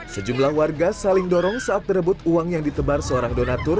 sejumlah warga saling dorong saat berebut uang yang ditebar seorang donatur